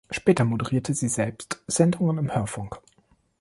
Später moderierte sie selbst Sendungen im Hörfunk.